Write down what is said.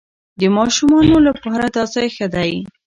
د ماشومانو لپاره دا ځای ښه دی.